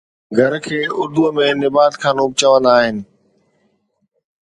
گهر کي اردوءَ ۾ نبات خانو به چوندا آهن